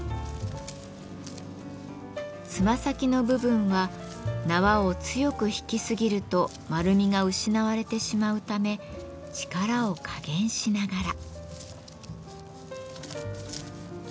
つま先の部分は縄を強く引きすぎると丸みが失われてしまうため力を加減しながら。